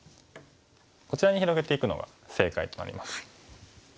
こちらに広げていくのが正解となります。